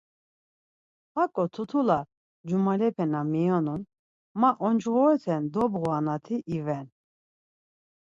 Haǩo tutula cumalepe na miyonun, ma oncğoreten dobğuranati iven.